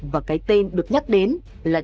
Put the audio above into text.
và cái tên được nhắc đến là